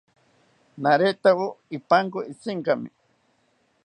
Naretawo ipanko itzinkami